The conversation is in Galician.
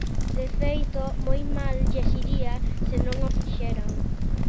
De feito, moi mal lles iría se non o fixeran.